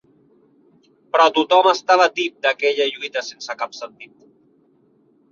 Però tothom estava tip d'aquella lluita sense cap sentit